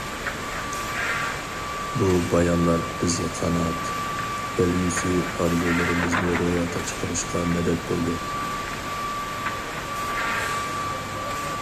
بۇ بايانلار بىزگە قانات، كەلگۈسى ئارزۇلىرىمىزنى روياپقا چىقىرىشقا مەدەت بولدى.